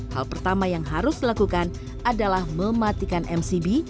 hal pertama yang harus dilakukan adalah mematikan mcb